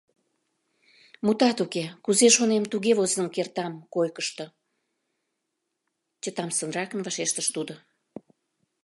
— Мутат уке, кузе шонем, туге возын кертам койкышто, — чытамсырынрак вашештыш тудо.